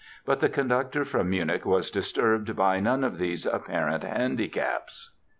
But the conductor from Munich was disturbed by none of these apparent handicaps.